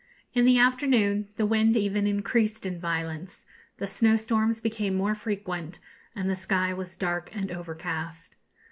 In the afternoon the wind even increased in violence, the snowstorms became more frequent, and the sky was dark and overcast.